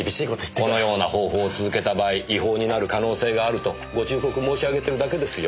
このような方法を続けた場合違法になる可能性があるとご忠告申し上げてるだけですよ。